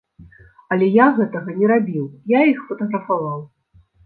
Але я гэтага не рабіў, я іх фатаграфаваў.